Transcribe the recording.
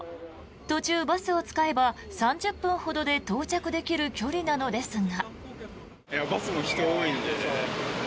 途中、バスを使えば３０分ほどで到着できる距離なのですが。